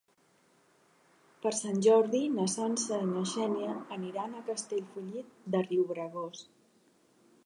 Per Sant Jordi na Sança i na Xènia aniran a Castellfollit de Riubregós.